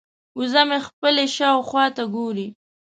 وزه مې خپلې شاوخوا ته ګوري.